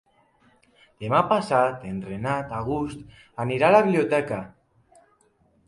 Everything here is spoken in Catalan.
Demà passat en Renat August anirà a la biblioteca.